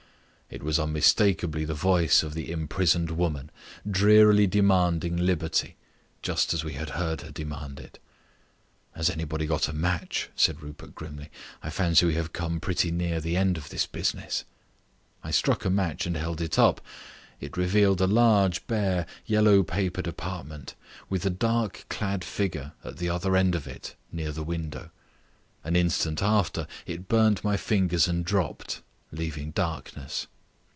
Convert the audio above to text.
It was unmistakably the voice of the imprisoned woman, drearily demanding liberty, just as we had heard her demand it. "Has anybody got a match?" said Rupert grimly. "I fancy we have come pretty near the end of this business." I struck a match and held it up. It revealed a large, bare, yellow papered apartment with a dark clad figure at the other end of it near the window. An instant after it burned my fingers and dropped, leaving darkness.